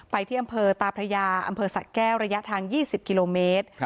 ที่อำเภอตาพระยาอำเภอสะแก้วระยะทาง๒๐กิโลเมตร